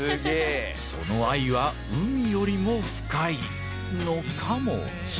その愛は海よりも深いのかもしれない。